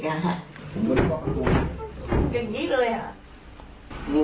คุณบอกถูก